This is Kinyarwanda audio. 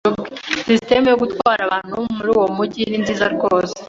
Sisitemu yo gutwara abantu muri uwo mujyi ni nziza rwose.